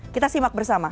kita simak bersama